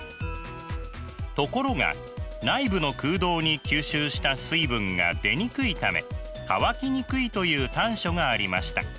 ところが内部の空洞に吸収した水分が出にくいため乾きにくいという短所がありました。